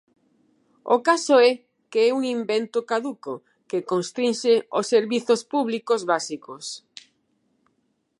O caso é que é un invento caduco que constrinxe os servizos públicos básicos.